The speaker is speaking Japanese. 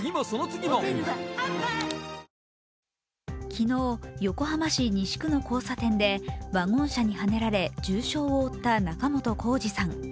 昨日、横浜市西区の交差点でワゴン車にはねられ重傷を負った仲本工事さん。